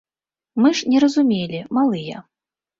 Мы ж не разумелі, малыя.